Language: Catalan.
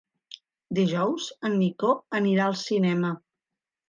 Dijous en Nico anirà al cinema.